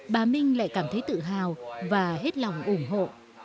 bà minh lại cảm thấy tự hào và hết lòng ủng hộ